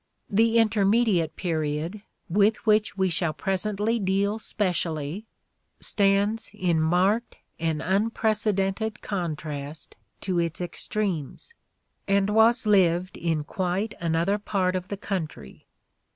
The intermediate period, with which we shall presently deal specially, stands in marked and unprecedented contrast to its extremes, and was lived in quite another part of the country.